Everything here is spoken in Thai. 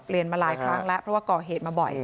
มาหลายครั้งแล้วเพราะว่าก่อเหตุมาบ่อย